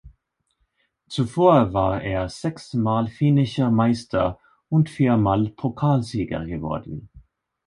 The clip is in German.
Zuvor war er sechs Mal Finnischer Meister und viermal Pokalsieger geworden.